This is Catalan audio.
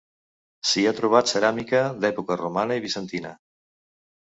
S'hi ha trobat ceràmica d'època romana i bizantina.